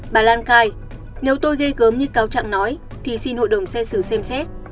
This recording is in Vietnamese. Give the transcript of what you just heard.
bà lan khai nếu tôi ghê gớm như cáo chẳng nói thì xin hội đồng xét xử xem xét